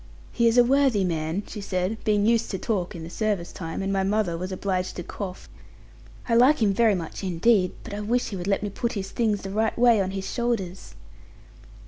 'He is a worthy man,' she said, being used to talk in the service time, and my mother was obliged to cough: 'I like him very much indeed: but I wish he would let me put his things the right way on his shoulders.'